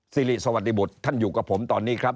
สิริสวัสดิบุตรท่านอยู่กับผมตอนนี้ครับ